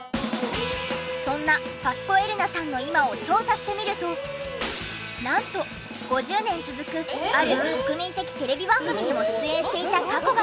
そんなパスコ・エレナさんのなんと５０年続くある国民的テレビ番組にも出演していた過去が。